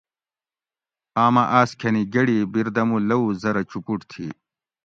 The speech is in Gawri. آمہ آۤس کھنی گڑی بیردمو لوؤ زرہ چوپوٹ تھی